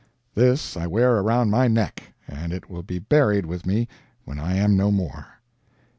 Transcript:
This I wear around my neck, and it will be buried with me when I am no more.